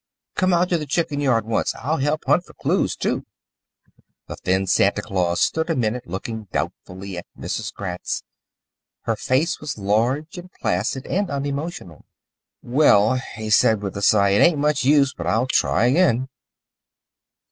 Come out to the chicken yard once; I'll help hunt for cloos, too." The thin Santa Claus stood a minute looking doubtfully at Mrs. Gratz. Her face was large and placid and unemotional. "Well," he said with a sigh, "it ain't much use, but I'll try it again."